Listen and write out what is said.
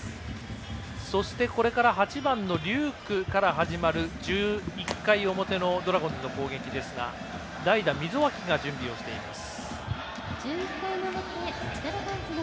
そして、これから８番の龍空から始まる１１回表のドラゴンズの攻撃ですが代打、溝脇が準備しています。